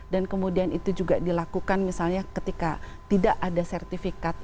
dan kemudian itu juga dilakukan misalnya ketika tidak ada sertifikat